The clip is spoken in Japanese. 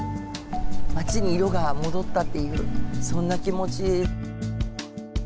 街に色が戻ったっていうそんな気持ち。